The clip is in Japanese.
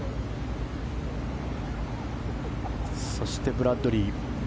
そして、ブラッドリー。